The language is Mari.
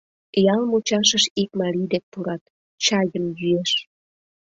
Ял мучашыш ик марий дек пурат, чайым йӱэш.